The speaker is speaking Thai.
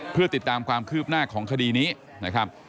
เพื่อติดตามความคืบหน้าของคดีนี้นะครับ